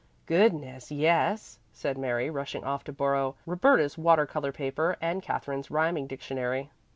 "Goodness, yes!" said Mary, rushing off to borrow Roberta's water color paper and Katherine's rhyming dictionary.